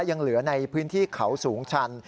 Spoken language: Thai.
ยังเหลือในพื้นที่เขาสูงชัน